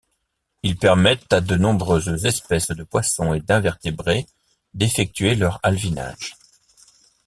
Ils permettent à de nombreuses espèces de poissons et d'invertébrés d'effectuer leur alevinage.